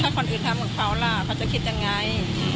ถ้าคนอื่นทำกับเขาล่ะเขาจะคิดยังไง